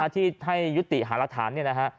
ที่ให้ยุติหารักฐานนี่นะฮะ